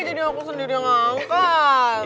jadi aku sendiri yang angkat